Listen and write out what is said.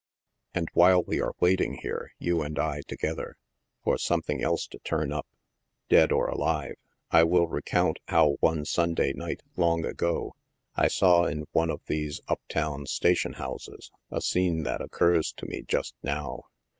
And while we are waiting here — you and I together — for some thing else to turn up, dead or alive, I will recount how, one Sunday night, long ago, I saw, in one of these up towu station houses, a scene that occurs to me just now.